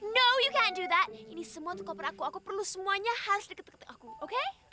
no you can't do that ini semua tuh koper aku aku perlu semuanya harus diketuk ketuk aku oke